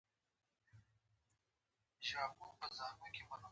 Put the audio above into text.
نو به ښه وي چي پیدا نه کړې بل ځل خر